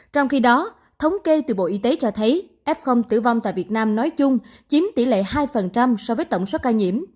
trong khi đó thống kê từ bộ y tế cho thấy f tử vong tại việt nam nói chung chiếm tỷ lệ hai so với tổng số ca nhiễm